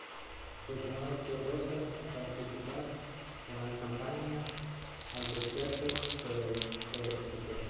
Fue llamado por Rosas a participar en la campaña al desierto, pero se excusó.